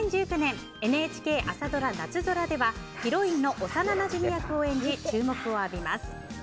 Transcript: ２０１９年ＮＨＫ朝ドラ「なつぞら」ではヒロインの幼なじみ役を演じ注目を浴びます。